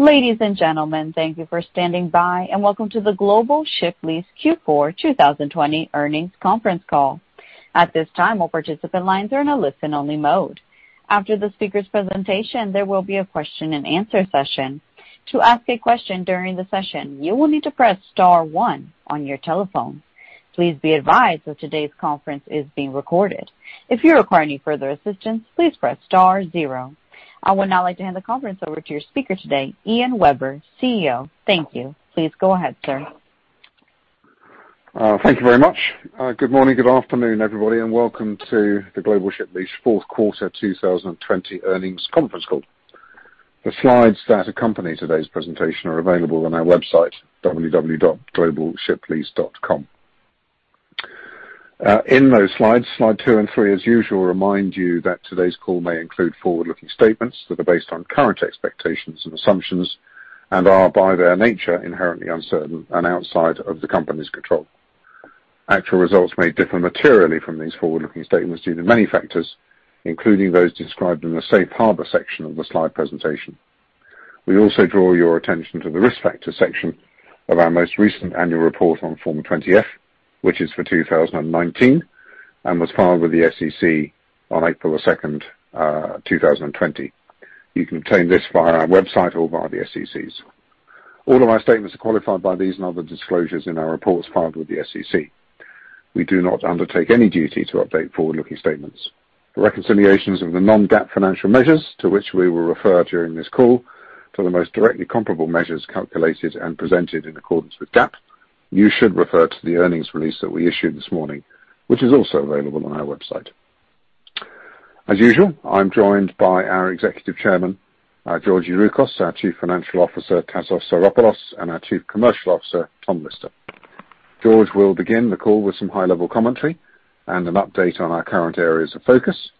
Ladies and gentlemen, thank you for standing by, and Welcome to the Global Ship Lease Q4 2020 earnings conference call. At this time, all participant lines are in a listen only mode. After the speaker's presentation, there will be a question-and-answer session. To ask a question during the session, you will need to press star one on your telephone. Please be advised that today's conference is being recorded. If you require any further assistance, please press star zero. I would now like to hand the conference over to your speaker today, Ian Webber, CEO. Thank you. Please go ahead, sir. Thank you very much. Good morning, good afternoon, everybody, and Welcome to the Global Ship Lease Q4 2020 earnings conference call. The slides that accompany today's presentation are available on our website, www.globalshiplease.com. In those slides, slide two and three, as usual, remind you that today's call may include forward-looking statements that are based on current expectations and assumptions and are, by their nature, inherently uncertain and outside of the company's control. Actual results may differ materially from these forward-looking statements due to many factors, including those described in the Safe Harbor section of the slide presentation. We also draw your attention to the Risk Factor section of our most recent annual report on Form 20-F, which is for 2019 and was filed with the SEC on April 2, 2020. You can obtain this via our website or via the SEC's. All of our statements are qualified by these and other disclosures in our reports filed with the SEC. We do not undertake any duty to update forward-looking statements. For reconciliations of the non-GAAP financial measures to which we will refer during this call to the most directly comparable measures calculated and presented in accordance with GAAP, you should refer to the earnings release that we issued this morning, which is also available on our website. As usual, I'm joined by our Executive Chairman, Georgios Youroukos, our Chief Financial Officer, Tassos Psaropoulos, and our Chief Commercial Officer, Tom Lister. George will begin the call with some high-level commentary and an update on our current areas of focus,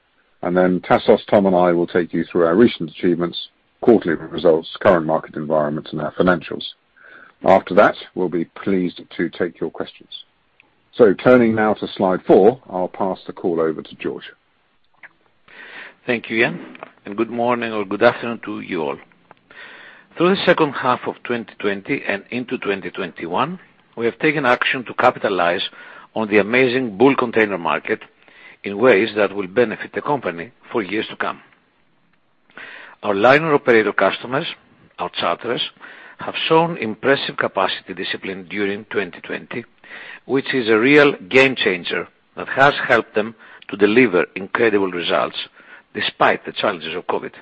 and then Tassos, Tom, and I will take you through our recent achievements, quarterly results, current market environments, and our financials. After that, we'll be pleased to take your questions. So turning now to slide four, I'll pass the call over to George. Thank you, Ian, and good morning or good afternoon to you all. Through the second half of 2020 and into 2021, we have taken action to capitalize on the amazing bull container market in ways that will benefit the company for years to come. Our liner operator customers, our charters, have shown impressive capacity discipline during 2020, which is a real game changer that has helped them to deliver incredible results despite the challenges of COVID.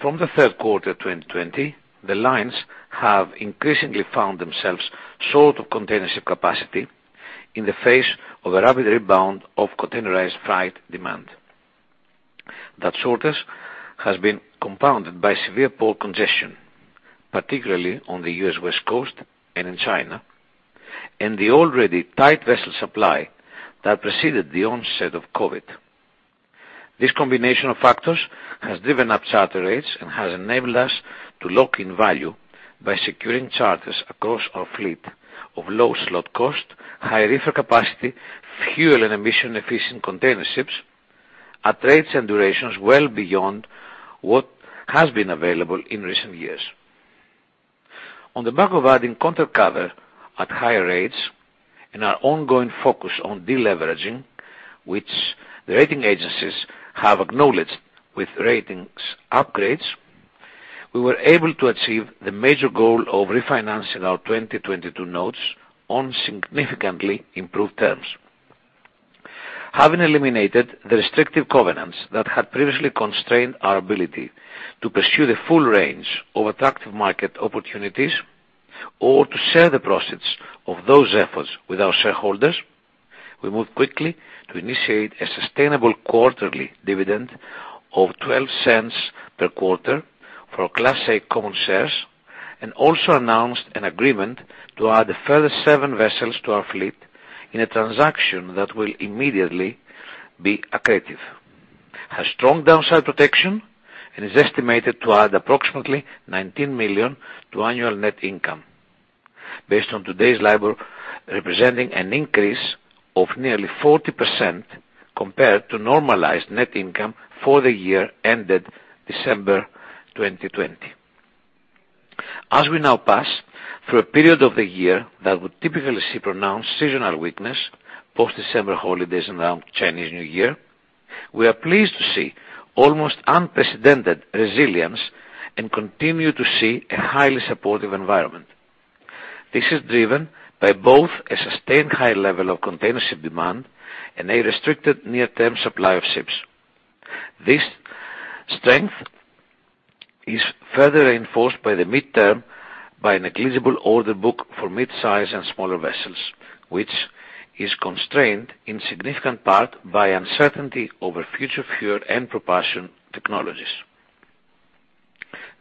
From the third quarter of 2020, the lines have increasingly found themselves short of container ship capacity in the face of a rapid rebound of containerized freight demand. That shortage has been compounded by severe port congestion, particularly on the U.S. West Coast and in China, and the already tight vessel supply that preceded the onset of COVID. This combination of factors has driven up charter rates and has enabled us to lock in value by securing charters across our fleet of low slot cost, high reefer capacity, fuel and emission-efficient container ships at rates and durations well beyond what has been available in recent years. On the back of adding contract cover at higher rates and our ongoing focus on deleveraging, which the rating agencies have acknowledged with ratings upgrades, we were able to achieve the major goal of refinancing our 2022 Notes on significantly improved terms. Having eliminated the restrictive covenants that had previously constrained our ability to pursue the full range of attractive market opportunities or to share the profits of those efforts with our shareholders, we moved quickly to initiate a sustainable quarterly dividend of $0.12 per quarter for Class A common shares and also announced an agreement to add a further seven vessels to our fleet in a transaction that will immediately be accretive, has strong downside protection and is estimated to add approximately $19 million to annual net income, based on today's charter representing an increase of nearly 40% compared to normalized net income for the year ended December 2020. As we now pass through a period of the year that would typically see pronounced seasonal weakness post-December holidays and around Chinese New Year, we are pleased to see almost unprecedented resilience and continue to see a highly supportive environment. This is driven by both a sustained high level of container ship demand and a restricted near-term supply of ships. This strength is further reinforced in the mid-term by a negligible order book for mid-size and smaller vessels, which is constrained in significant part by uncertainty over future fuel and propulsion technologies.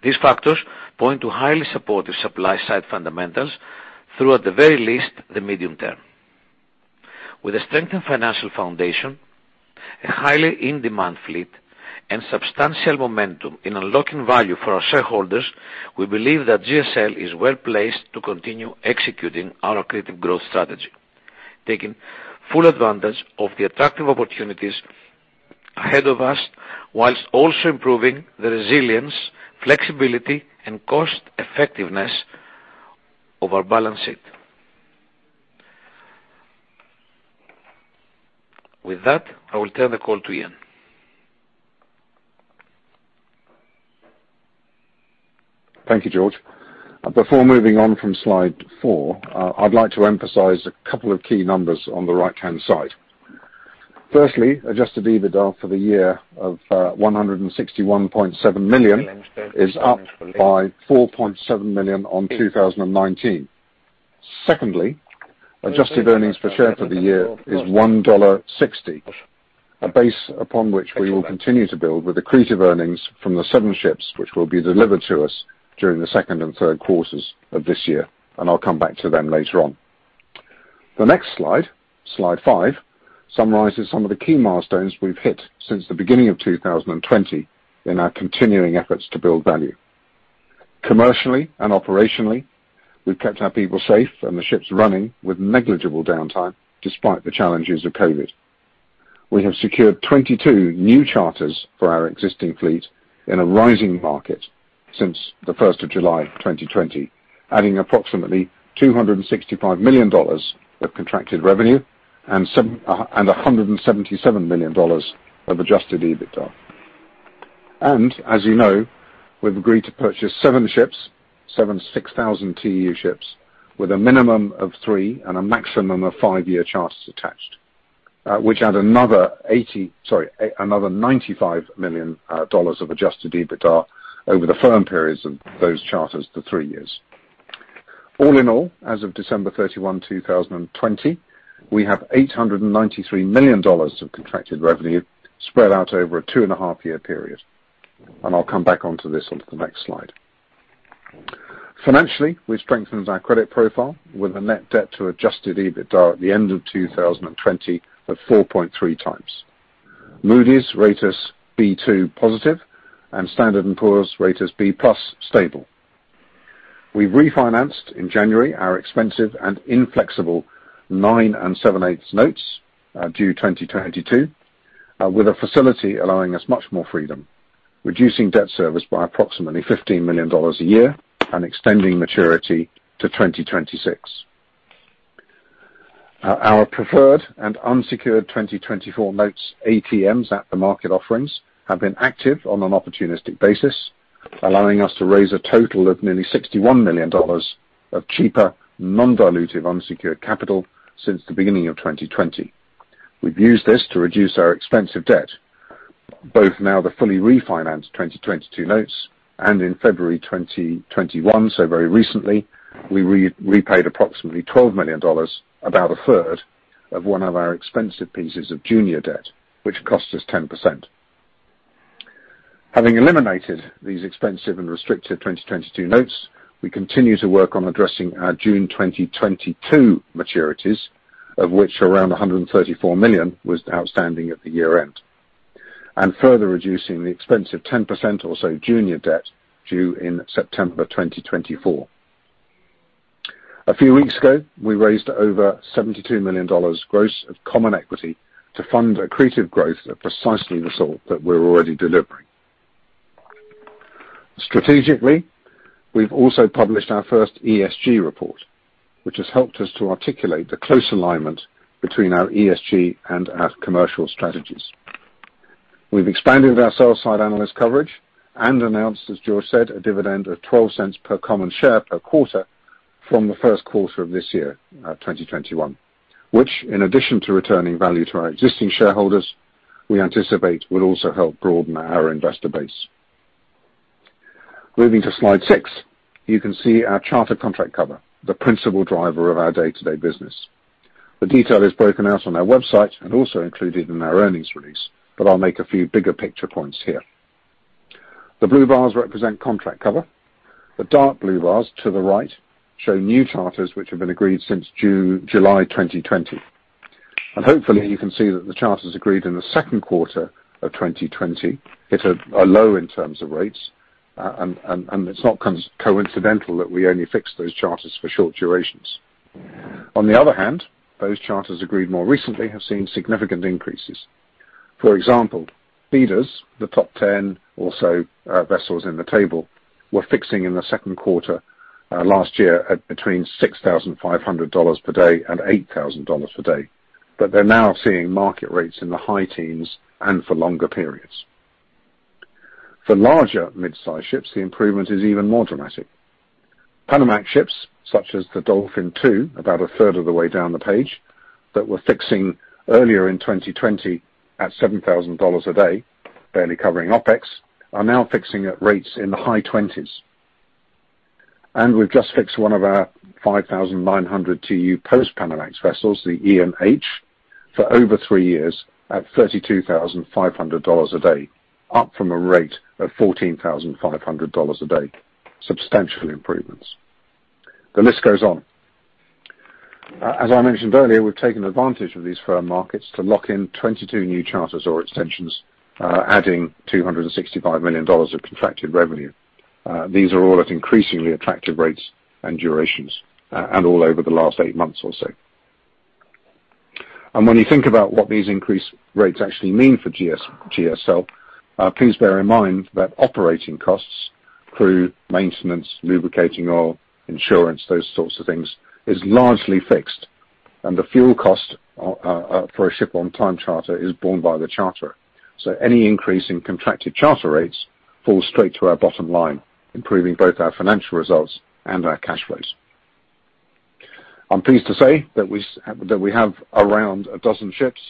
These factors point to highly supportive supply-side fundamentals throughout, at the very least, the medium term. With a strengthened financial foundation, a highly in-demand fleet, and substantial momentum in unlocking value for our shareholders, we believe that GSL is well placed to continue executing our accretive growth strategy, taking full advantage of the attractive opportunities ahead of us whilst also improving the resilience, flexibility, and cost-effectiveness of our balance sheet. With that, I will turn the call to Ian. Thank you, George. Before moving on from slide four, I'd like to emphasize a couple of key numbers on the right-hand side. Firstly, Adjusted EBITDA for the year of $161.7 million is up by $4.7 million on 2019. Secondly, Adjusted earnings per share for the year is $1.60, a base upon which we will continue to build with accretive earnings from the seven ships which will be delivered to us during the second and third quarters of this year, and I'll come back to them later on. The next slide, slide five, summarizes some of the key milestones we've hit since the beginning of 2020 in our continuing efforts to build value. Commercially and operationally, we've kept our people safe and the ships running with negligible downtime despite the challenges of COVID. We have secured 22 new charters for our existing fleet in a rising market since the 1st of July 2020, adding approximately $265 million of contracted revenue and $177 million of Adjusted EBITDA, and as you know, we've agreed to purchase seven ships, seven 6,000 TEU ships with a minimum of three and a maximum of five-year charters attached, which add another $95 million of Adjusted EBITDA over the firm periods of those charters for three years. All in all, as of December 31, 2020, we have $893 million of contracted revenue spread out over a two and a half year period, and I'll come back onto this onto the next slide. Financially, we've strengthened our credit profile with a net debt to Adjusted EBITDA at the end of 2020 of 4.3x. Moody's rating is B2 positive and Standard and Poor's rating is B+ stable. We've refinanced in January our expensive and inflexible nine and seven-eighths Notes due 2022 with a facility allowing us much more freedom, reducing debt service by approximately $15 million a year and extending maturity to 2026. Our preferred and unsecured 2024 Notes at-the-market offerings have been active on an opportunistic basis, allowing us to raise a total of nearly $61 million of cheaper non-dilutive unsecured capital since the beginning of 2020. We've used this to reduce our expensive debt, both now the fully refinanced 2022 Notes and in February 2021, so very recently, we repaid approximately $12 million, about a third of one of our expensive pieces of junior debt, which cost us 10%. Having eliminated these expensive and restrictive 2022 notes, we continue to work on addressing our June 2022 maturities, of which around $134 million was outstanding at the year-end, and further reducing the expensive 10% or so junior debt due in September 2024. A few weeks ago, we raised over $72 million gross of common equity to fund accretive growth at precisely the sort that we're already delivering. Strategically, we've also published our first ESG report, which has helped us to articulate the close alignment between our ESG and our commercial strategies. We've expanded our sell-side analyst coverage and announced, as George said, a dividend of $0.12 per common share per quarter from the first quarter of this year, 2021, which, in addition to returning value to our existing shareholders, we anticipate will also help broaden our investor base. Moving to slide six, you can see our charter contract cover, the principal driver of our day-to-day business. The detail is broken out on our website and also included in our earnings release, but I'll make a few bigger picture points here. The blue bars represent contract cover. The dark blue bars to the right show new charters which have been agreed since July 2020, and hopefully, you can see that the charters agreed in the second quarter of 2020 hit a low in terms of rates, and it's not coincidental that we only fixed those charters for short durations. On the other hand, those charters agreed more recently have seen significant increases. For example, feeders, the top 10 or so vessels in the table, were fixing in the second quarter last year at between $6,500 per day and $8,000 per day, but they're now seeing market rates in the high teens and for longer periods. For larger mid-size ships, the improvement is even more dramatic. Panamax ships, such as the Dolphin II, about a third of the way down the page, that were fixing earlier in 2020 at $7,000 a day, barely covering OPEX, are now fixing at rates in the high 20s. And we've just fixed one of our 5,900 TEU post-Panamax vessels, the Ian H, for over three years at $32,500 a day, up from a rate of $14,500 a day. Substantial improvements. The list goes on. As I mentioned earlier, we've taken advantage of these firm markets to lock in 22 new charters or extensions, adding $265 million of contracted revenue. These are all at increasingly attractive rates and durations and all over the last eight months or so. And when you think about what these increased rates actually mean for GSL, please bear in mind that operating costs, crew, maintenance, lubricating oil, insurance, those sorts of things, is largely fixed, and the fuel cost for a ship on time charter is borne by the charter. So any increase in contracted charter rates falls straight to our bottom line, improving both our financial results and our cash flows. I'm pleased to say that we have around a dozen ships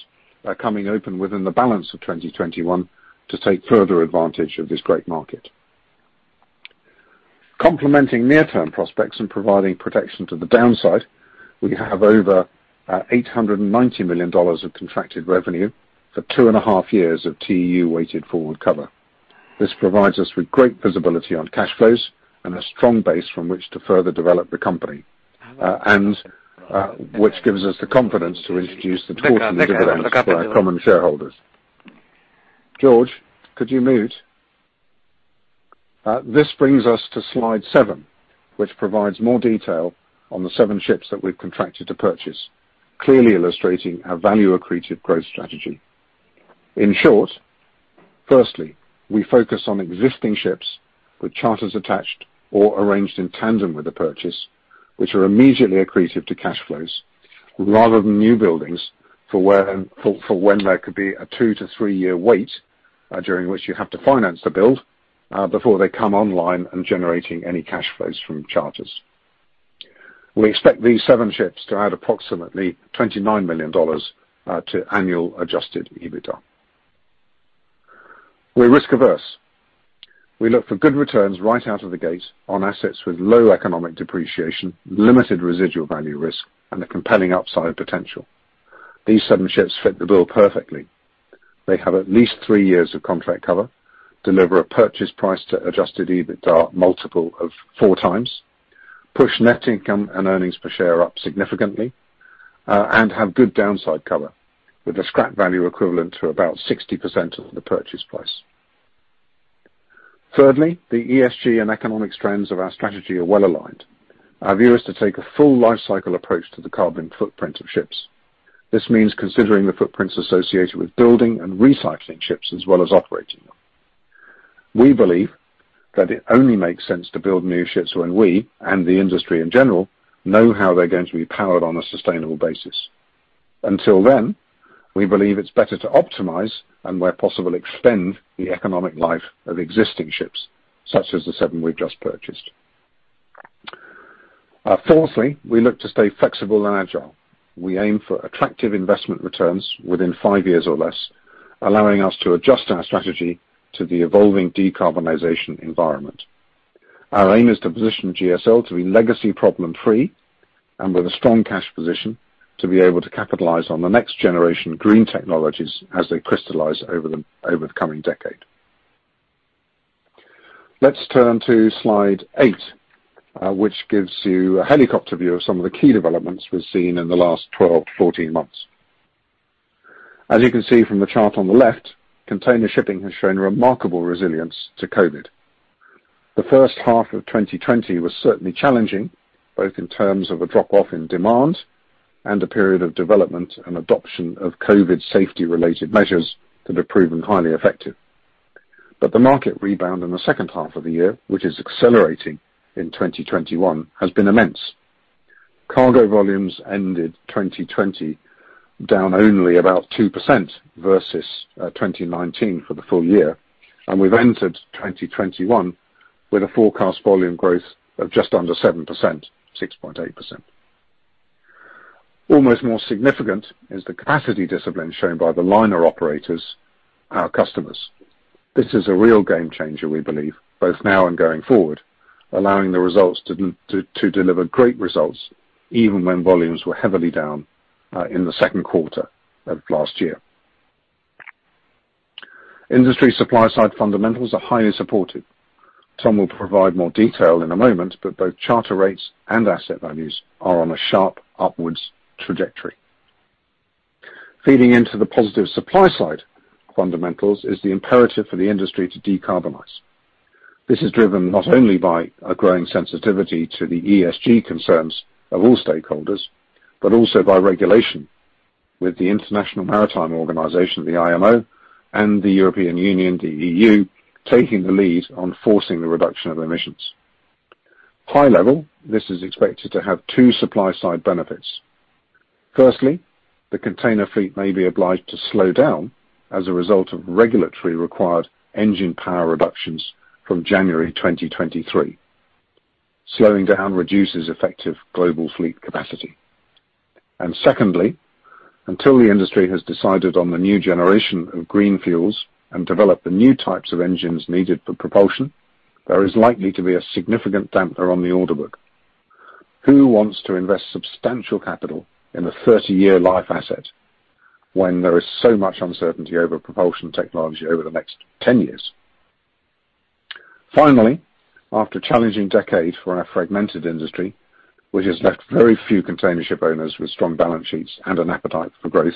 coming open within the balance of 2021 to take further advantage of this great market. Complementing near-term prospects and providing protection to the downside, we have over $890 million of contracted revenue for two and a half years of TEU-weighted forward cover. This provides us with great visibility on cash flows and a strong base from which to further develop the company, which gives us the confidence to introduce the 14 dividends for our common shareholders. George, could you mute? This brings us to slide seven, which provides more detail on the seven ships that we've contracted to purchase, clearly illustrating our value-accretive growth strategy. In short, firstly, we focus on existing ships with charters attached or arranged in tandem with the purchase, which are immediately accretive to cash flows, rather than new buildings for when there could be a two to three-year wait during which you have to finance the build before they come online and generating any cash flows from charters. We expect these seven ships to add approximately $29 million to annual Adjusted EBITDA. We're risk-averse. We look for good returns right out of the gate on assets with low economic depreciation, limited residual value risk, and a compelling upside potential. These seven ships fit the bill perfectly. They have at least three years of contract cover, deliver a purchase price to Adjusted EBITDA multiple of 4x, push net income and earnings per share up significantly, and have good downside cover with a scrap value equivalent to about 60% of the purchase price. Thirdly, the ESG and economic strands of our strategy are well aligned. Our view is to take a full life cycle approach to the carbon footprint of ships. This means considering the footprints associated with building and recycling ships as well as operating them. We believe that it only makes sense to build new ships when we, and the industry in general, know how they're going to be powered on a sustainable basis. Until then, we believe it's better to optimize and, where possible, extend the economic life of existing ships, such as the seven we've just purchased. Fourthly, we look to stay flexible and agile. We aim for attractive investment returns within five years or less, allowing us to adjust our strategy to the evolving decarbonization environment. Our aim is to position GSL to be legacy problem-free and with a strong cash position to be able to capitalize on the next generation green technologies as they crystallize over the coming decade. Let's turn to slide eight, which gives you a helicopter view of some of the key developments we've seen in the last 12-14 months. As you can see from the chart on the left, container shipping has shown remarkable resilience to COVID. The first half of 2020 was certainly challenging, both in terms of a drop-off in demand and a period of development and adoption of COVID safety-related measures that have proven highly effective. But the market rebound in the second half of the year, which is accelerating in 2021, has been immense. Cargo volumes ended 2020 down only about 2% versus 2019 for the full year, and we've entered 2021 with a forecast volume growth of just under 7%, 6.8%. Almost more significant is the capacity discipline shown by the liner operators, our customers. This is a real game changer, we believe, both now and going forward, allowing the results to deliver great results even when volumes were heavily down in the second quarter of last year. Industry supply-side fundamentals are highly supported. Tom will provide more detail in a moment, but both charter rates and asset values are on a sharp upwards trajectory. Feeding into the positive supply-side fundamentals is the imperative for the industry to decarbonize. This is driven not only by a growing sensitivity to the ESG concerns of all stakeholders, but also by regulation, with the International Maritime Organization, the IMO, and the European Union, the EU, taking the lead on forcing the reduction of emissions. High level, this is expected to have two supply-side benefits. Firstly, the container fleet may be obliged to slow down as a result of regulatory required engine power reductions from January 2023. Slowing down reduces effective global fleet capacity. Secondly, until the industry has decided on the new generation of green fuels and developed the new types of engines needed for propulsion, there is likely to be a significant damper on the order book. Who wants to invest substantial capital in a 30-year life asset when there is so much uncertainty over propulsion technology over the next 10 years? Finally, after a challenging decade for our fragmented industry, which has left very few container ship owners with strong balance sheets and an appetite for growth,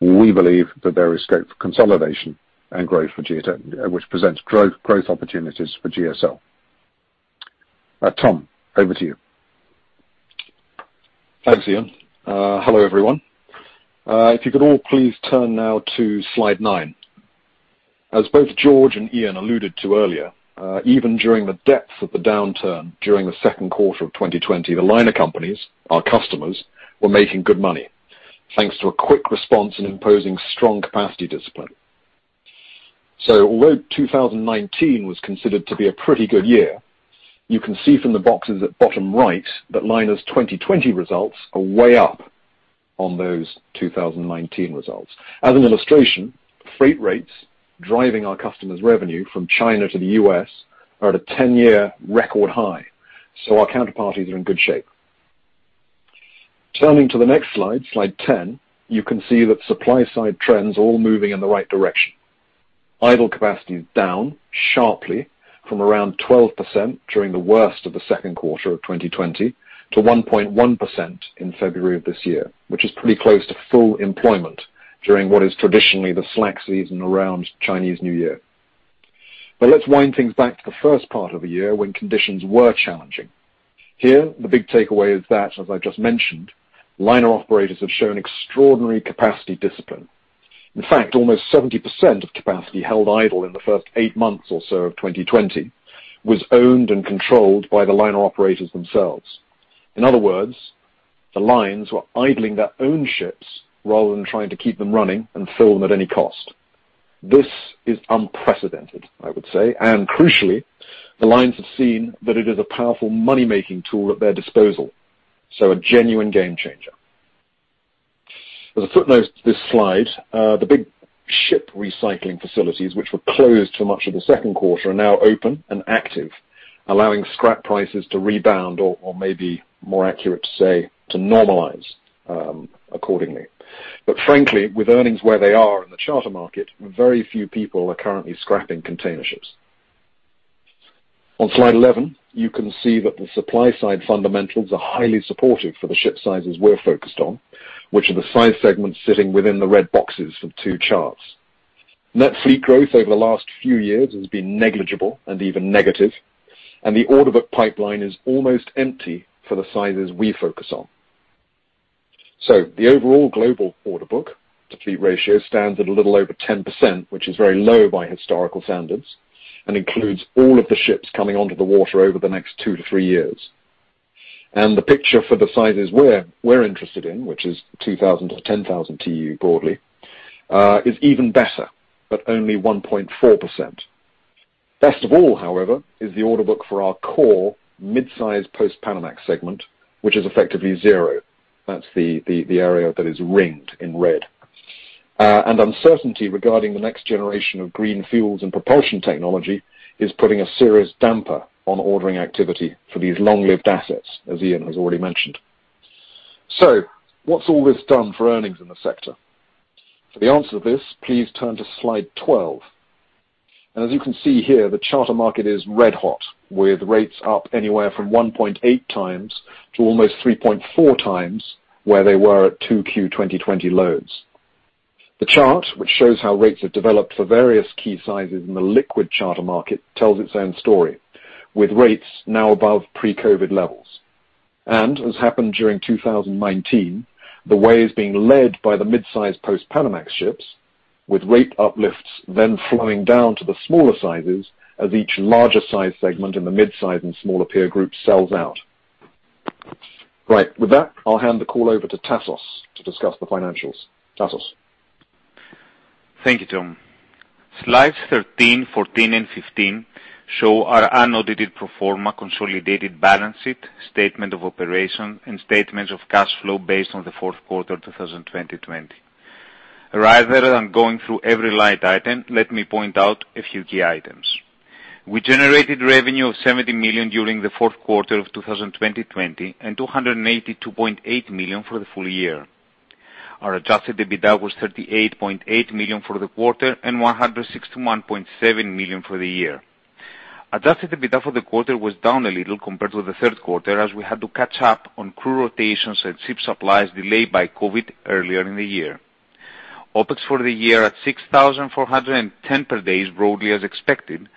we believe that there is scope for consolidation and growth for GSL, which presents growth opportunities for GSL. Tom, over to you. Thanks, Ian. Hello, everyone. If you could all please turn now to slide nine. As both George and Ian alluded to earlier, even during the depth of the downturn during the second quarter of 2020, the liner companies, our customers, were making good money thanks to a quick response and imposing strong capacity discipline. So although 2019 was considered to be a pretty good year, you can see from the boxes at bottom right that liners' 2020 results are way up on those 2019 results. As an illustration, freight rates driving our customers' revenue from China to the U.S. are at a 10-year record high, so our counterparties are in good shape. Turning to the next slide, slide 10, you can see that supply-side trends are all moving in the right direction. Idle capacity is down sharply from around 12% during the worst of the second quarter of 2020 to 1.1% in February of this year, which is pretty close to full employment during what is traditionally the slack season around Chinese New Year. But let's wind things back to the first part of the year when conditions were challenging. Here, the big takeaway is that, as I've just mentioned, liner operators have shown extraordinary capacity discipline. In fact, almost 70% of capacity held idle in the first eight months or so of 2020 was owned and controlled by the liner operators themselves. In other words, the lines were idling their own ships rather than trying to keep them running and fill them at any cost. This is unprecedented, I would say. Crucially, the lines have seen that it is a powerful money-making tool at their disposal, so a genuine game changer. As a footnote to this slide, the big ship recycling facilities, which were closed for much of the second quarter, are now open and active, allowing scrap prices to rebound or maybe more accurate to say, to normalize accordingly. Frankly, with earnings where they are in the charter market, very few people are currently scrapping container ships. On slide 11, you can see that the supply-side fundamentals are highly supportive for the ship sizes we're focused on, which are the size segments sitting within the red boxes for two charts. Net fleet growth over the last few years has been negligible and even negative, and the order book pipeline is almost empty for the sizes we focus on. So the overall global order book to fleet ratio stands at a little over 10%, which is very low by historical standards and includes all of the ships coming onto the water over the next two to three years. And the picture for the sizes we're interested in, which is 2,000 to 10,000 TEU broadly, is even better, but only 1.4%. Best of all, however, is the order book for our core mid-size Post-Panamax segment, which is effectively zero. That's the area that is ringed in red. And uncertainty regarding the next generation of green fuels and propulsion technology is putting a serious damper on ordering activity for these long-lived assets, as Ian has already mentioned. So what's all this done for earnings in the sector? For the answer to this, please turn to slide 12. As you can see here, the charter market is red hot with rates up anywhere from 1.8x to almost 3.4x where they were at 2Q 2020 loads. The chart, which shows how rates have developed for various key sizes in the liquid charter market, tells its own story, with rates now above pre-COVID levels. As happened during 2019, the way is being led by the mid-size Post-Panamax ships, with rate uplifts then flowing down to the smaller sizes as each larger size segment in the mid-size and smaller peer group sells out. Right. With that, I'll hand the call over to Tassos to discuss the financials. Tassos. Thank you, Tom. Slides 13, 14, and 15 show our unaudited pro forma consolidated balance sheet, statement of operations, and statements of cash flows based on the fourth quarter of 2020. Rather than going through every line item, let me point out a few key items. We generated revenue of $70 million during the fourth quarter of 2020 and $282.8 million for the full year. Our Adjusted EBITDA was $38.8 million for the quarter and $161.7 million for the year. Adjusted EBITDA for the quarter was down a little compared with the third quarter, as we had to catch up on crew rotations and ship supplies delayed by COVID earlier in the year. OPEX for the year at 6,410 per day is broadly as expected.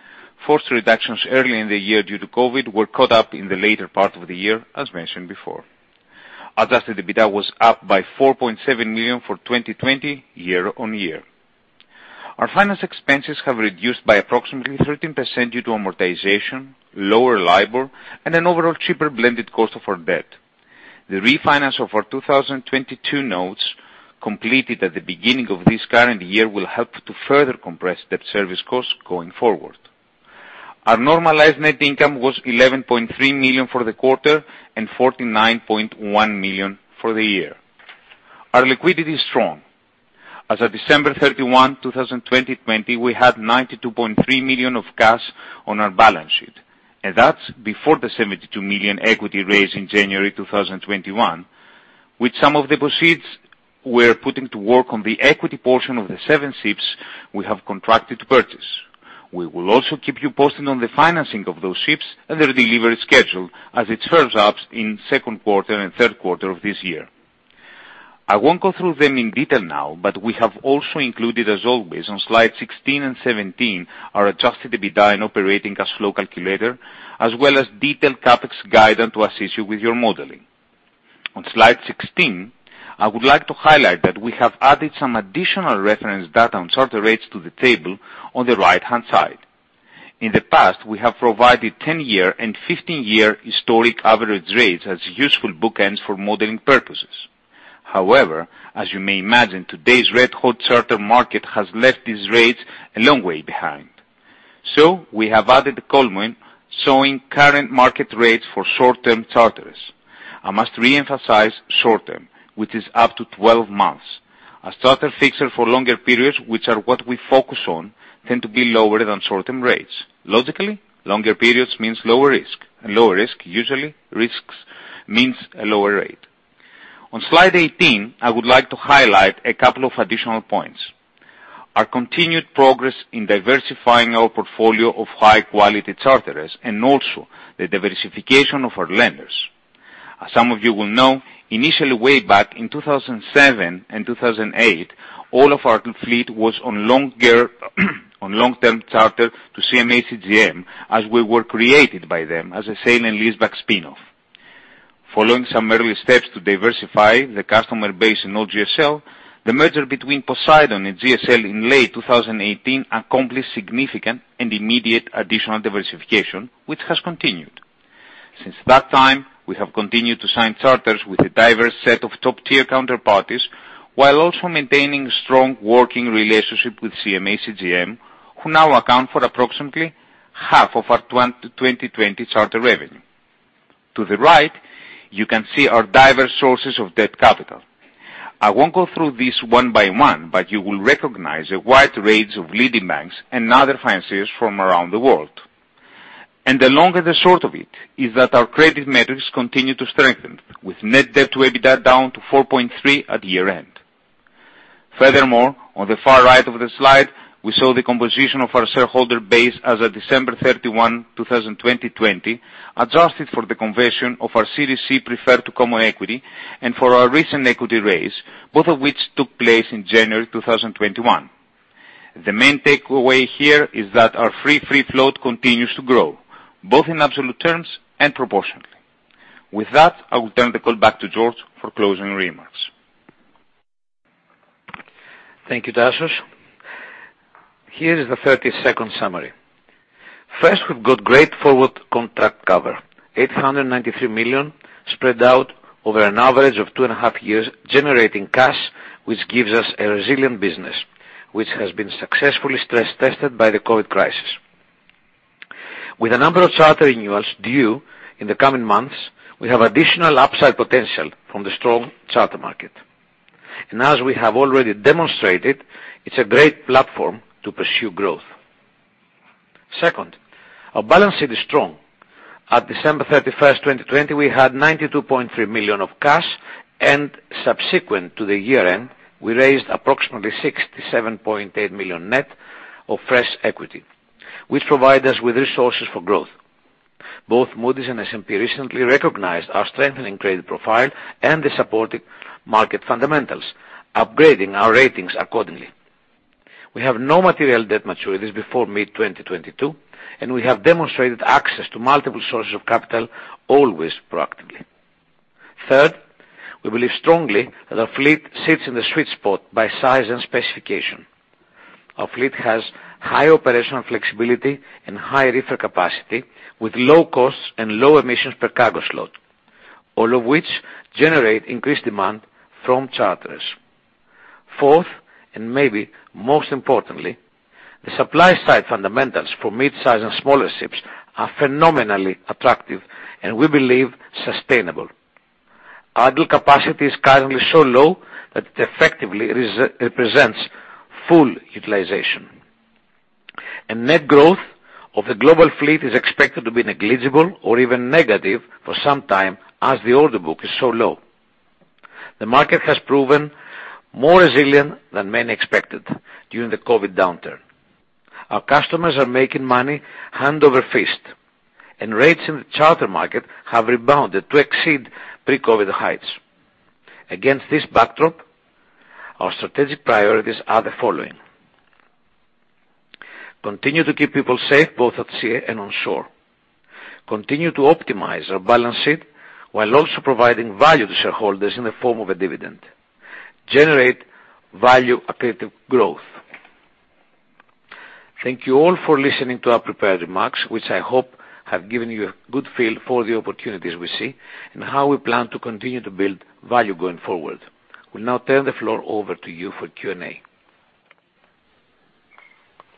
Forced reductions early in the year due to COVID were caught up in the later part of the year, as mentioned before. Adjusted EBITDA was up by $4.7 million for 2020 year on year. Our finance expenses have reduced by approximately 13% due to amortization, lower LIBOR, and an overall cheaper blended cost of our debt. The refinance of our 2022 Notes completed at the beginning of this current year will help to further compress debt service costs going forward. Our normalized net income was $11.3 million for the quarter and $49.1 million for the year. Our liquidity is strong. As of December 31, 2020, we had $92.3 million of cash on our balance sheet, and that's before the $72 million equity raised in January 2021, which some of the proceeds we're putting to work on the equity portion of the seven ships we have contracted to purchase. We will also keep you posted on the financing of those ships and their delivery schedule as it firms up in second quarter and third quarter of this year. I won't go through them in detail now, but we have also included, as always, on slide 16 and 17, our Adjusted EBITDA and operating cash flow calculator, as well as detailed CapEx guidance to assist you with your modeling. On slide 16, I would like to highlight that we have added some additional reference data on charter rates to the table on the right-hand side. In the past, we have provided 10-year and 15-year historic average rates as useful bookends for modeling purposes. However, as you may imagine, today's red hot charter market has left these rates a long way behind. So we have added a column showing current market rates for short-term charters. I must re-emphasize short-term, which is up to 12 months. As charters fixed for longer periods, which are what we focus on, tend to be lower than short-term rates. Logically, longer periods mean lower risk, and lower risk usually means a lower rate. On slide 18, I would like to highlight a couple of additional points: our continued progress in diversifying our portfolio of high-quality charterers and also the diversification of our lenders. As some of you will know, initially, way back in 2007 and 2008, all of our fleet was on long-term charter to CMA CGM as we were created by them as a sale-leaseback spinoff. Following some early steps to diversify the customer base in GSL, the merger between Poseidon and GSL in late 2018 accomplished significant and immediate additional diversification, which has continued. Since that time, we have continued to sign charters with a diverse set of top-tier counterparties while also maintaining a strong working relationship with CMA CGM, who now account for approximately half of our 2020 charter revenue. To the right, you can see our diverse sources of debt capital. I won't go through these one by one, but you will recognize the wide range of leading banks and other financiers from around the world, and the long and short of it is that our credit metrics continue to strengthen, with net debt to EBITDA down to 4.3 at year-end. Furthermore, on the far right of the slide, we saw the composition of our shareholder base as of December 31, 2020, adjusted for the conversion of our Series C preferred to common equity and for our recent equity raise, both of which took place in January 2021. The main takeaway here is that our free float continues to grow, both in absolute terms and proportionally. With that, I will turn the call back to George for closing remarks. Thank you, Tassos. Here is the three-point summary. First, we've got great forward contract cover, $893 million spread out over an average of two and a half years, generating cash, which gives us a resilient business, which has been successfully stress-tested by the COVID crisis. With a number of charter renewals due in the coming months, we have additional upside potential from the strong charter market. And as we have already demonstrated, it's a great platform to pursue growth. Second, our balance sheet is strong. At December 31, 2020, we had $92.3 million of cash, and subsequent to the year-end, we raised approximately $67.8 million net of fresh equity, which provides us with resources for growth. Both Moody's and S&P recently recognized our strengthening credit profile and the supporting market fundamentals, upgrading our ratings accordingly. We have no material debt maturities before mid-2022, and we have demonstrated access to multiple sources of capital always proactively. Third, we believe strongly that our fleet sits in the sweet spot by size and specification. Our fleet has high operational flexibility and high reefer capacity with low costs and low emissions per cargo slot, all of which generate increased demand from charters. Fourth, and maybe most importantly, the supply-side fundamentals for mid-size and smaller ships are phenomenally attractive, and we believe sustainable. Idle capacity is currently so low that it effectively represents full utilization, and net growth of the global fleet is expected to be negligible or even negative for some time as the order book is so low. The market has proven more resilient than many expected during the COVID downturn. Our customers are making money hand over fist, and rates in the charter market have rebounded to exceed pre-COVID heights. Against this backdrop, our strategic priorities are the following: continue to keep people safe both at sea and on shore, continue to optimize our balance sheet while also providing value to shareholders in the form of a dividend, generate value-accretive growth. Thank you all for listening to our prepared remarks, which I hope have given you a good feel for the opportunities we see and how we plan to continue to build value going forward. We'll now turn the floor over to you for Q&A.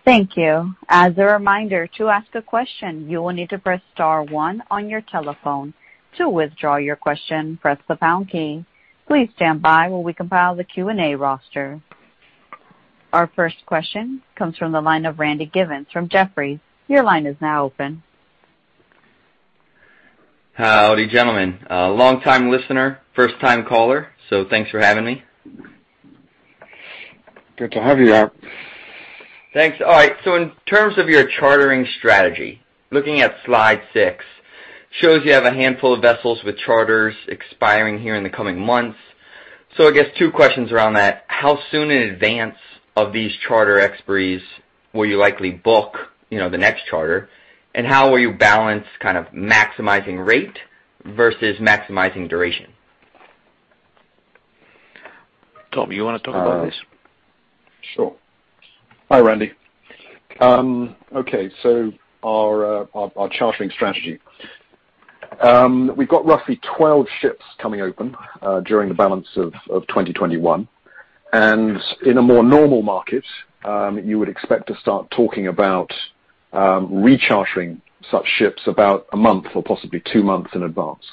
Thank you. As a reminder, to ask a question, you will need to press star one on your telephone. To withdraw your question, press the pound key. Please stand by while we compile the Q&A roster. Our first question comes from the line of Randy Givens from Jefferies. Your line is now open. Howdy, gentlemen. Long-time listener, first-time caller, so thanks for having me. Good to have you here. Thanks. All right. So in terms of your chartering strategy, looking at slide six, it shows you have a handful of vessels with charters expiring here in the coming months. So I guess two questions around that: how soon in advance of these charter expiries will you likely book the next charter, and how will you balance kind of maximizing rate versus maximizing duration? Tom, you want to talk about this? Sure. Hi, Randy. Okay. So our chartering strategy. We've got roughly 12 ships coming open during the balance of 2021. And in a more normal market, you would expect to start talking about rechartering such ships about a month or possibly two months in advance.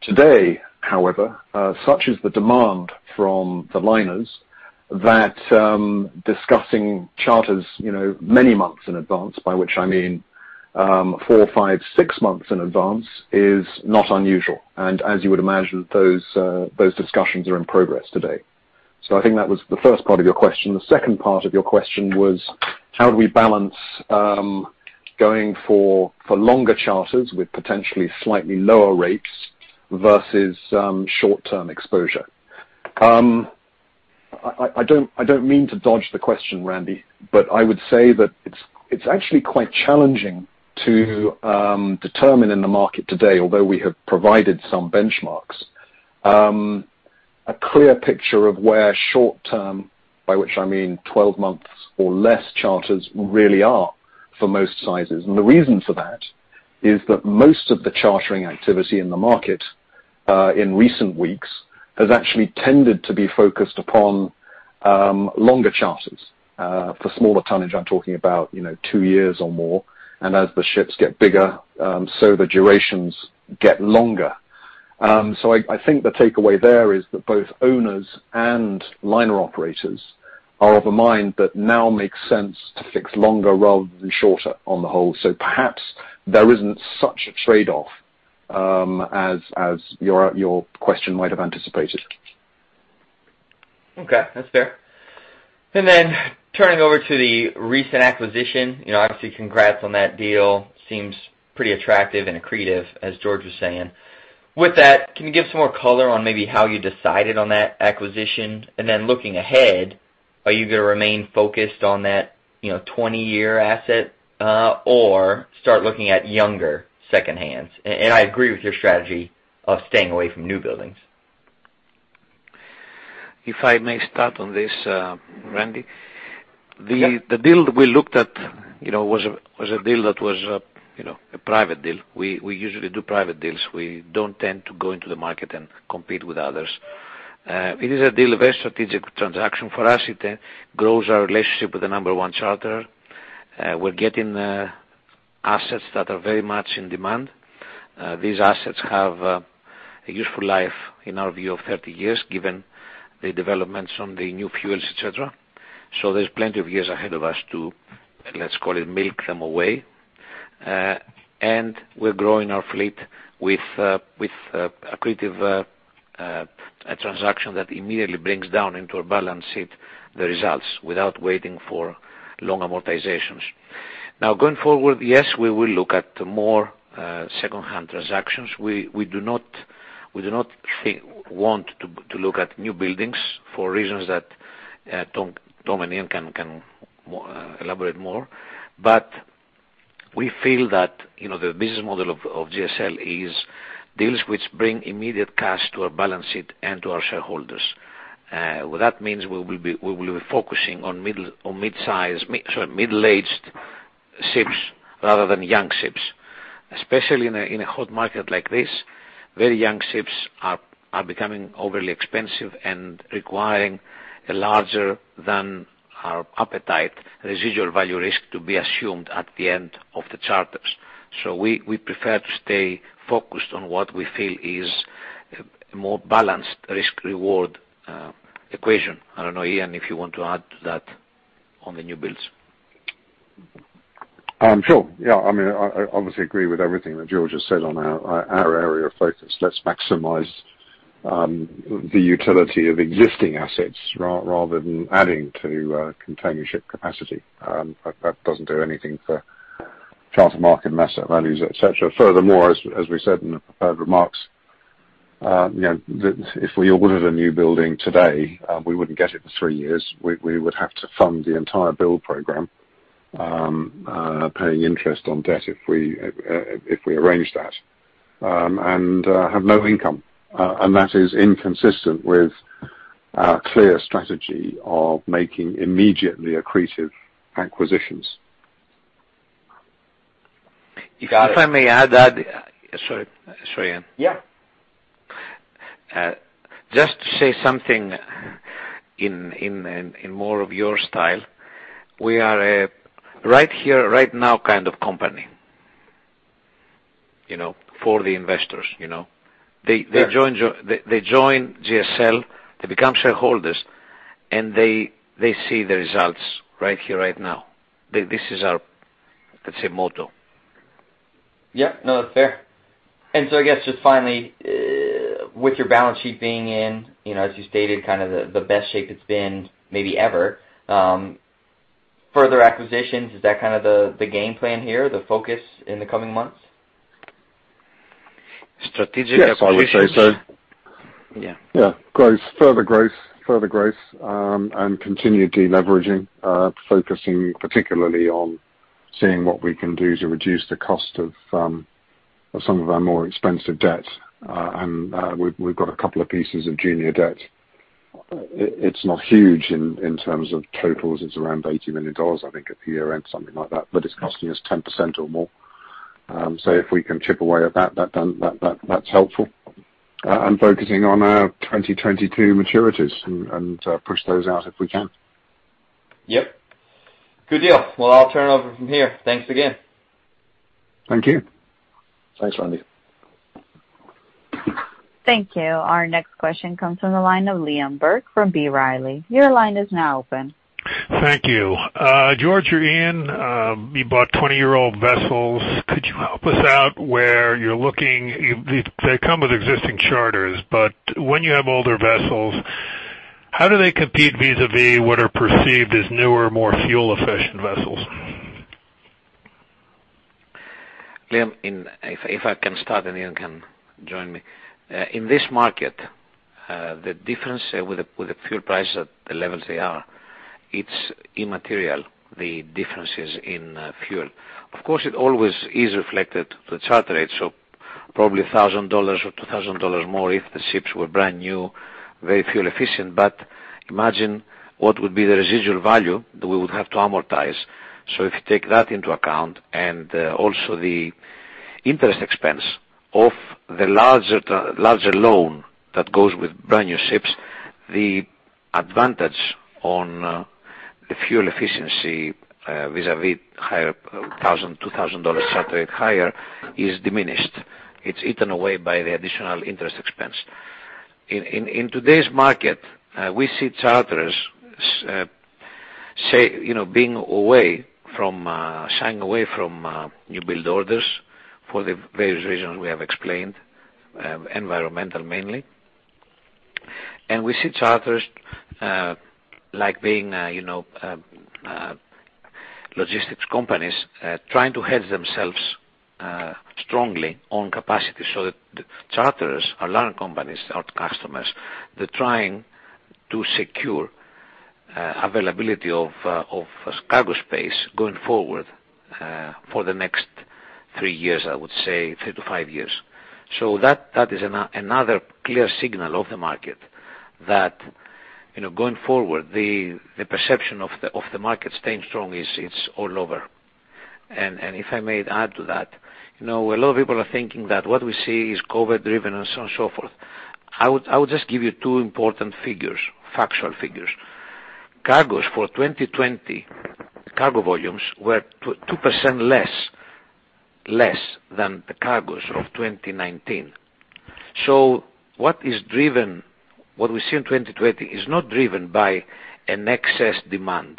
Today, however, such is the demand from the liners that discussing charters many months in advance, by which I mean four, five, six months in advance, is not unusual. And as you would imagine, those discussions are in progress today. So I think that was the first part of your question. The second part of your question was, how do we balance going for longer charters with potentially slightly lower rates versus short-term exposure? I don't mean to dodge the question, Randy, but I would say that it's actually quite challenging to determine in the market today, although we have provided some benchmarks, a clear picture of where short-term, by which I mean 12 months or less, charters really are for most sizes, and the reason for that is that most of the chartering activity in the market in recent weeks has actually tended to be focused upon longer charters for smaller tonnage. I'm talking about two years or more, and as the ships get bigger, so the durations get longer, so I think the takeaway there is that both owners and liner operators are of a mind that now makes sense to fix longer rather than shorter on the whole, so perhaps there isn't such a trade-off as your question might have anticipated. Okay. That's fair. And then turning over to the recent acquisition, obviously, congrats on that deal. Seems pretty attractive and accretive, as George was saying. With that, can you give some more color on maybe how you decided on that acquisition? And then looking ahead, are you going to remain focused on that 20-year asset or start looking at younger secondhands? And I agree with your strategy of staying away from new buildings. If I may start on this, Randy. The deal that we looked at was a deal that was a private deal. We usually do private deals. We don't tend to go into the market and compete with others. It is a deal of a strategic transaction for us. It grows our relationship with the number one charter. We're getting assets that are very much in demand. These assets have a useful life in our view of 30 years given the developments on the new fuels, etc. So there's plenty of years ahead of us to, let's call it, milk them away. And we're growing our fleet with accretive transaction that immediately brings down into our balance sheet the results without waiting for long amortizations. Now, going forward, yes, we will look at more secondhand transactions. We do not want to look at new buildings for reasons that Tom and Ian can elaborate more. But we feel that the business model of GSL is deals which bring immediate cash to our balance sheet and to our shareholders. That means we will be focusing on mid-size, sorry, middle-aged ships rather than young ships. Especially in a hot market like this, very young ships are becoming overly expensive and requiring a larger than our appetite residual value risk to be assumed at the end of the charters. So we prefer to stay focused on what we feel is a more balanced risk-reward equation. I don't know, Ian, if you want to add to that on the new builds. Sure. Yeah. I mean, I obviously agree with everything that George has said on our area of focus. Let's maximize the utility of existing assets rather than adding to container ship capacity. That doesn't do anything for charter market and asset values, etc. Furthermore, as we said in the prepared remarks, if we ordered a new building today, we wouldn't get it for three years. We would have to fund the entire build program, paying interest on debt if we arrange that, and have no income. And that is inconsistent with our clear strategy of making immediately accretive acquisitions. If I may add that. Sorry. Sorry, Ian. Yeah. Just to say something in more of your style, we are a right here right now kind of company for the investors. They join GSL, they become shareholders, and they see the results right here right now. This is our, let's say, motto. Yeah. No, that's fair. And so I guess just finally, with your balance sheet being in, as you stated, kind of the best shape it's been maybe ever, further acquisitions, is that kind of the game plan here, the focus in the coming months? Strategic acquisitions. Yes, I would say so. Yeah. Yeah. Growth. Further growth. Further growth and continued deleveraging, focusing particularly on seeing what we can do to reduce the cost of some of our more expensive debt. We've got a couple of pieces of junior debt. It's not huge in terms of totals. It's around $80 million, I think, at the year-end, something like that. But it's costing us 10% or more. If we can chip away at that, that's helpful. Focusing on our 2022 maturities and push those out if we can. Yep. Good deal. Well, I'll turn it over from here. Thanks again. Thank you. Thanks, Randy. Thank you. Our next question comes from the line of Liam Burke from B. Riley. Your line is now open. Thank you. George, you're Ian. You bought 20-year-old vessels. Could you help us out where you're looking? They come with existing charters, but when you have older vessels, how do they compete vis-à-vis what are perceived as newer, more fuel-efficient vessels? Liam, if I can start and Ian can join me. In this market, the difference with the fuel price at the levels they are, it's immaterial, the differences in fuel. Of course, it always is reflected to the charter rate, so probably $1,000 or $2,000 more if the ships were brand new, very fuel-efficient. But imagine what would be the residual value that we would have to amortize. So if you take that into account and also the interest expense of the larger loan that goes with brand new ships, the advantage on the fuel efficiency vis-à-vis higher $1,000, $2,000 charter rate is diminished. It's eaten away by the additional interest expense. In today's market, we see charters shying away from new build orders for the various reasons we have explained, environmental mainly. We see charters like being logistics companies trying to hedge themselves strongly on capacity so that the charters, our liner companies, our customers, they're trying to secure availability of cargo space going forward for the next three years, I would say, three to five years. That is another clear signal of the market that going forward, the perception of the market staying strong is all over. If I may add to that, a lot of people are thinking that what we see is COVID-driven and so on and so forth. I would just give you two important figures, factual figures. Cargoes for 2020, cargo volumes were 2% less than the cargoes of 2019. What is driven, what we see in 2020, is not driven by an excess demand.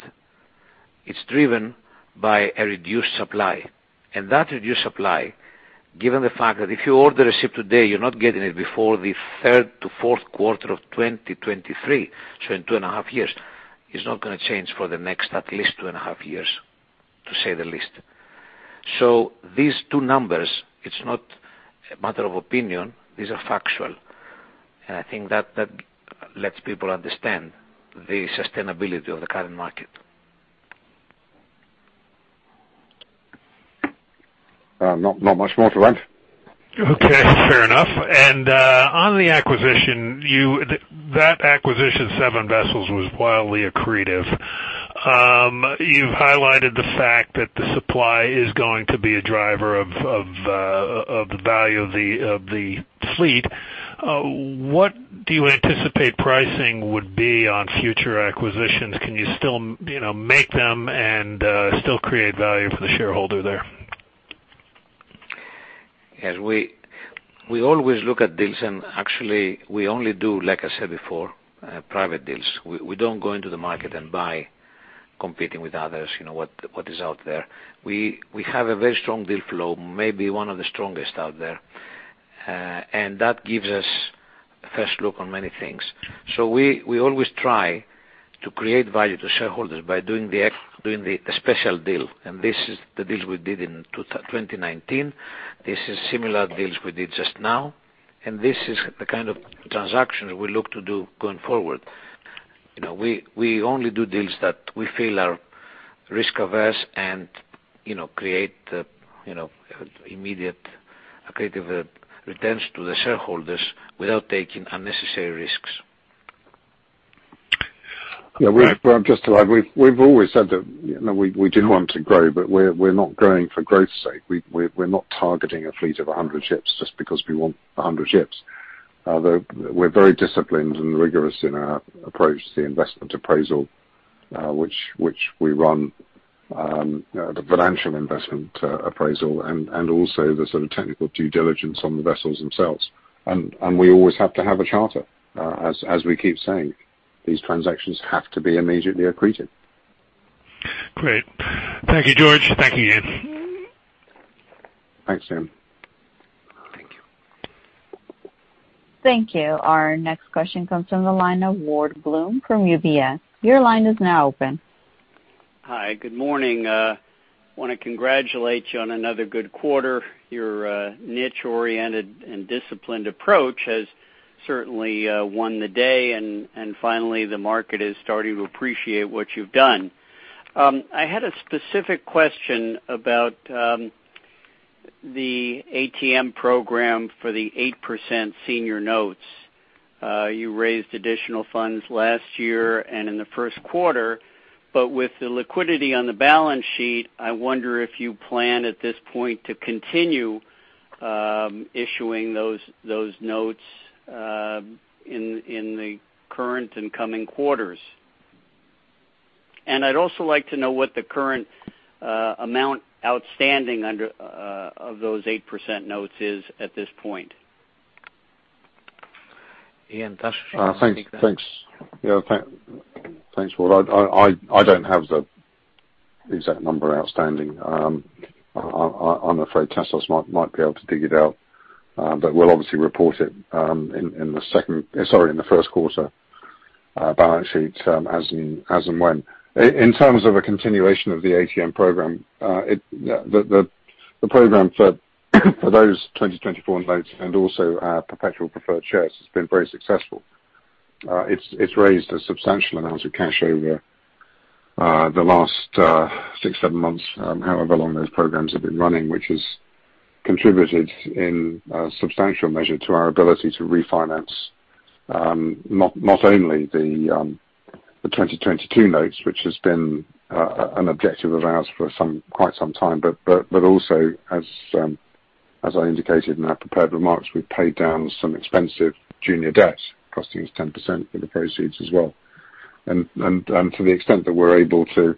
It's driven by a reduced supply. And that reduced supply, given the fact that if you order a ship today, you're not getting it before the third to fourth quarter of 2023, so in two and a half years, it's not going to change for the next at least two and a half years, to say the least. So these two numbers, it's not a matter of opinion. These are factual. And I think that lets people understand the sustainability of the current market. Not much more to add. Okay. Fair enough. And on the acquisition, that acquisition, seven vessels, was wildly accretive. You've highlighted the fact that the supply is going to be a driver of the value of the fleet. What do you anticipate pricing would be on future acquisitions? Can you still make them and still create value for the shareholder there? Yes. We always look at deals, and actually, we only do, like I said before, private deals. We don't go into the market and buy competing with others, what is out there. We have a very strong deal flow, maybe one of the strongest out there. And that gives us a first look on many things. So we always try to create value to shareholders by doing the special deal. And this is the deals we did in 2019. This is similar deals we did just now. And this is the kind of transactions we look to do going forward. We only do deals that we feel are risk-averse and create immediate accretive returns to the shareholders without taking unnecessary risks. Yeah. Just to add, we've always said that we do want to grow, but we're not growing for growth's sake. We're not targeting a fleet of 100 ships just because we want 100 ships. We're very disciplined and rigorous in our approach to the investment appraisal, which we run, the financial investment appraisal, and also the sort of technical due diligence on the vessels themselves. And we always have to have a charter, as we keep saying. These transactions have to be immediately accretive. Great. Thank you, George. Thank you, Ian. Thanks, Ian. Thank you. Thank you. Our next question comes from the line of Ward Bloom from UBS. Your line is now open. Hi. Good morning. I want to congratulate you on another good quarter. Your niche-oriented and disciplined approach has certainly won the day. And finally, the market is starting to appreciate what you've done. I had a specific question about the ATM program for the 8% senior notes. You raised additional funds last year and in the first quarter. But with the liquidity on the balance sheet, I wonder if you plan at this point to continue issuing those notes in the current and coming quarters. And I'd also like to know what the current amount outstanding of those 8% notes is at this point. Ian, Tassos? Thanks. Thanks. Yeah. Thanks, Ward. I don't have the exact number outstanding. I'm afraid Tassos might be able to dig it out. But we'll obviously report it in the second, sorry, in the first quarter balance sheet as and when. In terms of a continuation of the ATM program, the program for those 2024 notes and also perpetual preferred shares has been very successful. It's raised a substantial amount of cash over the last six, seven months, however long those programs have been running, which has contributed in a substantial measure to our ability to refinance not only the 2022 notes, which has been an objective of ours for quite some time, but also, as I indicated in our prepared remarks, we've paid down some expensive junior debt, costing us 10% of the proceeds as well. And to the extent that we're able to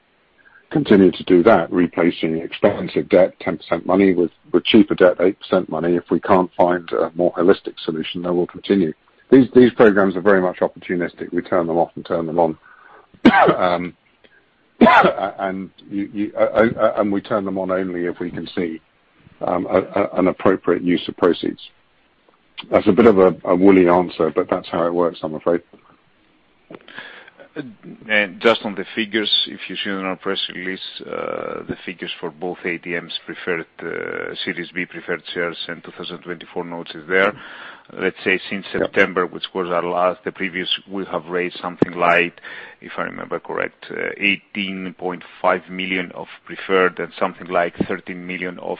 continue to do that, replacing expensive debt 10% money with cheaper debt 8% money, if we can't find a more holistic solution, then we'll continue. These programs are very much opportunistic. We turn them off and turn them on. And we turn them on only if we can see an appropriate use of proceeds. That's a bit of a wooly answer, but that's how it works, I'm afraid. Just on the figures, if you see on our press release, the figures for both ATMs preferred, Series B preferred shares and 2024 notes is there. Let's say since September, which was our last, the previous we have raised something like, if I remember correct, $18.5 million of preferred and something like $13 million of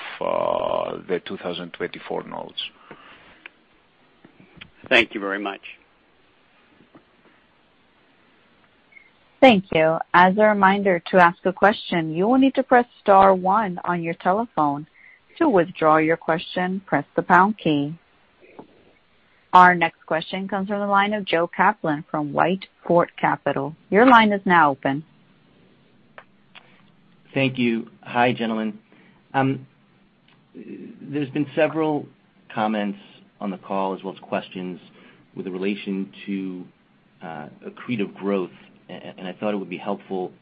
the 2024 notes. Thank you very much. Thank you. As a reminder to ask a question, you will need to press star one on your telephone. To withdraw your question, press the pound key. Our next question comes from the line of Joe Kaplan from Whitefort Capital. Your line is now open. Thank you. Hi, gentlemen. There's been several comments on the call as well as questions with relation to accretive growth. And I thought it would be helpful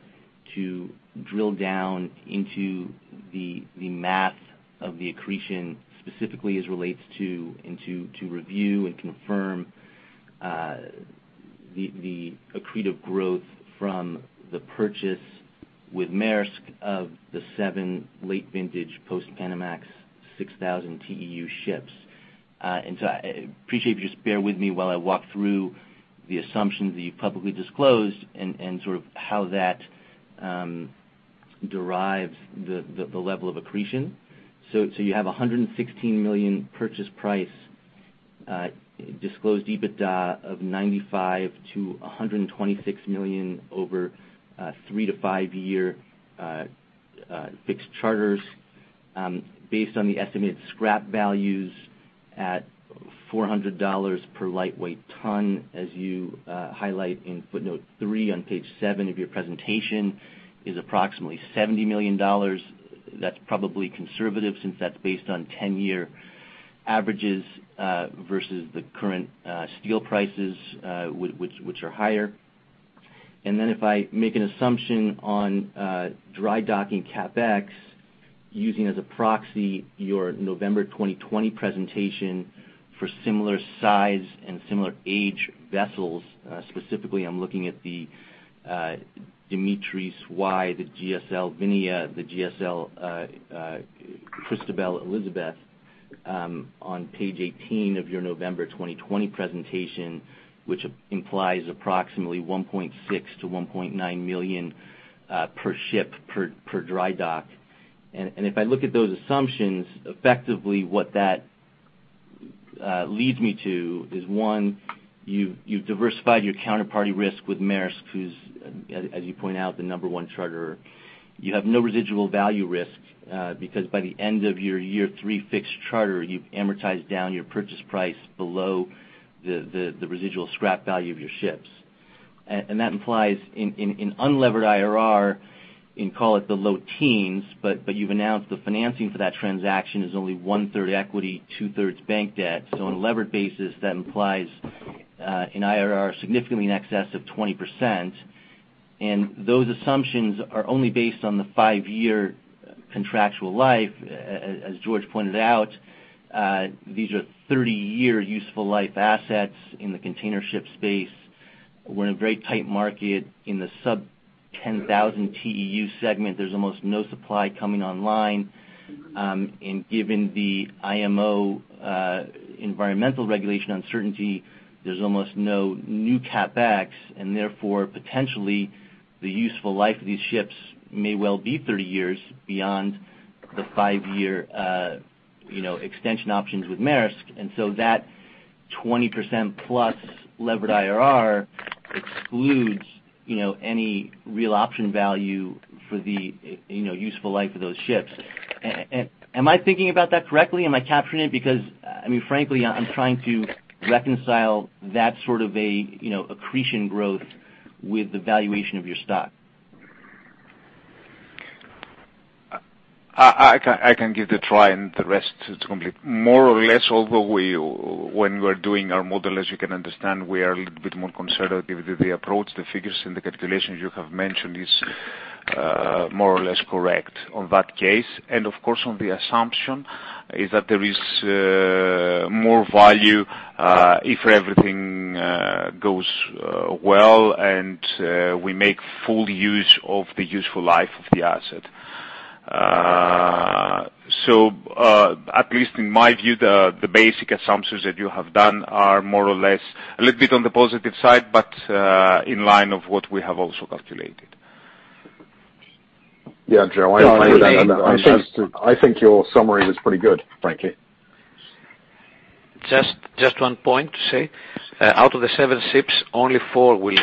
to drill down into the math of the accretion specifically as it relates to review and confirm the accretive growth from the purchase with Maersk of the seven late-vintage post-Panamax 6,000 TEU ships. And so I appreciate if you just bear with me while I walk through the assumptions that you've publicly disclosed and sort of how that derives the level of accretion. So you have $116 million purchase price, disclosed EBITDA of $95-$126 million over three- to five-year fixed charters based on the estimated scrap values at $400 per lightweight ton, as you highlight in footnote three on page seven of your presentation, is approximately $70 million. That's probably conservative since that's based on 10-year averages versus the current steel prices, which are higher, and then if I make an assumption on dry docking CapEx using as a proxy your November 2020 presentation for similar size and similar age vessels, specifically, I'm looking at the Dimitris Y, the GSL Vania, the GSL Christel Elisabeth on page 18 of your November 2020 presentation, which implies approximately $1.6-$1.9 million per ship per dry dock, and if I look at those assumptions, effectively, what that leads me to is, one, you've diversified your counterparty risk with Maersk, who's, as you point out, the number one charter. You have no residual value risk because by the end of your year three fixed charter, you've amortized down your purchase price below the residual scrap value of your ships. That implies an unlevered IRR, you call it the low teens, but you've announced the financing for that transaction is only one-third equity, two-thirds bank debt. So on a levered basis, that implies an IRR significantly in excess of 20%. And those assumptions are only based on the five-year contractual life. As George pointed out, these are 30-year useful life assets in the container ship space. We're in a very tight market. In the sub-10,000 TEU segment, there's almost no supply coming online. And given the IMO environmental regulation uncertainty, there's almost no new CAPEX. And therefore, potentially, the useful life of these ships may well be 30 years beyond the five-year extension options with Maersk. And so that 20% plus levered IRR excludes any real option value for the useful life of those ships. Am I thinking about that correctly? Am I capturing it? Because, I mean, frankly, I'm trying to reconcile that sort of accretion growth with the valuation of your stock. I can give it a try and the rest to complete. More or less, although when we're doing our model, as you can understand, we are a little bit more conservative with the approach. The figures and the calculations you have mentioned are more or less correct in that case, and of course, the assumption is that there is more value if everything goes well and we make full use of the useful life of the asset. At least in my view, the basic assumptions that you have done are more or less a little bit on the positive side, but in line with what we have also calculated. Yeah, Joe, I agree with that. I think your summary was pretty good, frankly. Just one point to say. Out of the seven ships, only four will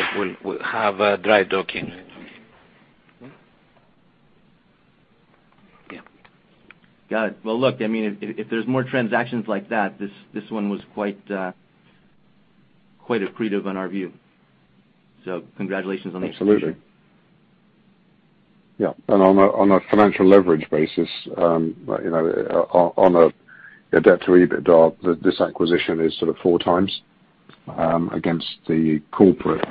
have dry docking. Got it. Well, look, I mean, if there's more transactions like that, this one was quite accretive on our view. So congratulations on the acquisition. Absolutely. Yeah, and on a financial leverage basis, on a debt to EBITDA, this acquisition is sort of 4x against the corporate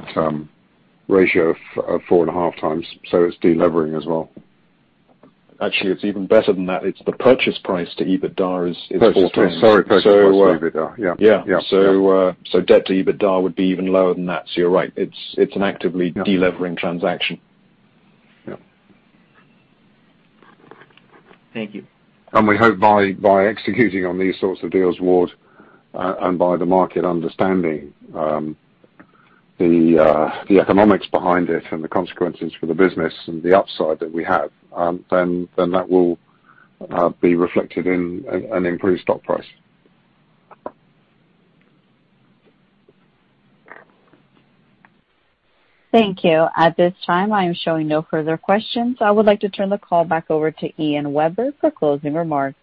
ratio of 4.5x, so it's delevering as well. Actually, it's even better than that. It's the purchase price to EBITDA is 4x. Purchase price to EBITDA. Yeah. So debt to EBITDA would be even lower than that. So you're right. It's an actively delevering transaction. Thank you. And we hope by executing on these sorts of deals, Ward, and by the market understanding the economics behind it and the consequences for the business and the upside that we have, then that will be reflected in an improved stock price. Thank you. At this time, I am showing no further questions. I would like to turn the call back over to Ian Webber for closing remarks.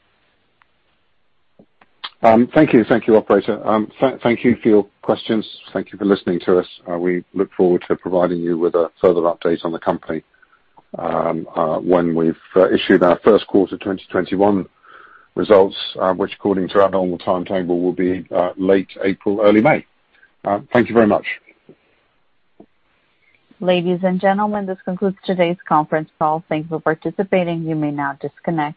Thank you. Thank you, operator. Thank you for your questions. Thank you for listening to us. We look forward to providing you with further updates on the company when we've issued our first quarter 2021 results, which, according to our normal timetable, will be late April, early May. Thank you very much. Ladies and gentlemen, this concludes today's conference call. Thank you for participating. You may now disconnect.